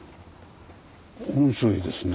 面白いですね。